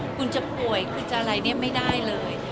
คุณจะป่วยคุณจะอะไรเนี่ยไม่ได้เลย